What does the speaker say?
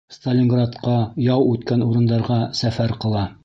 Сталинградҡа, яу үткән урындарға сәфәр ҡыла.